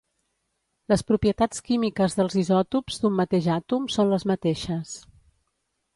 Les propietats químiques dels isòtops d'un mateix àtom són les mateixes.